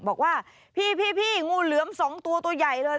บอกว่าพี่งูเหลือม๒ตัวตัวใหญ่เลย